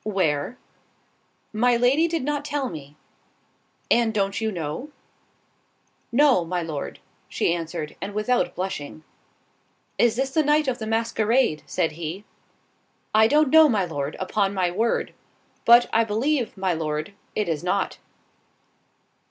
"Where?" "My Lady did not tell me." "And don't you know?" "No, my Lord:" she answered, and without blushing. "Is this the night of the masquerade?" said he. "I don't know, my Lord, upon my word; but, I believe, my Lord, it is not."